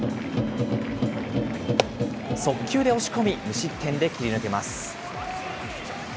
速球で押し込み、無失点で切り抜けます。